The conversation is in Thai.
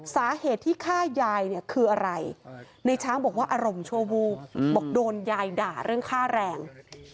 สาเหตุที่ฆ่ายายเนี่ยคืออะไรในช้างบอกว่าอารมณ์ชั่ววูบบอกโดนยายด่าเรื่องค่าแรง